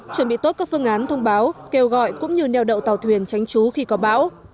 chuẩn bị tốt các phương án thông báo kêu gọi cũng như neo đậu tàu thuyền tránh trú khi có bão